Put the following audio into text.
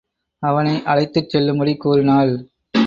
அவனை அழைத்துச் செல்லும்படி கூறினாள்.